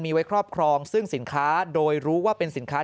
มีไว้ครอบครองซึ่งสินค้าโดยรู้ว่าเป็นสินค้า